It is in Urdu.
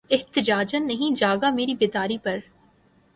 احتجاجاً نہیں جاگا مری بیداری پر